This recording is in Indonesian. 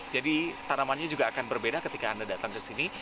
jadi tanamannya juga akan berbeda ketika anda datang ke sini